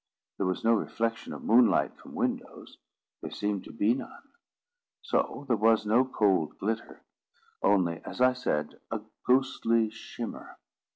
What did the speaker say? There was no reflection of moonlight from windows—there seemed to be none; so there was no cold glitter; only, as I said, a ghostly shimmer.